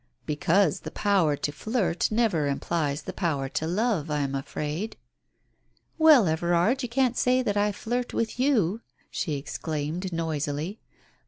"Because the power to flirt never implies the power to love, I am afraid." "Well, Everard, you can't say that I flirt with you !" she exclaimed noisily.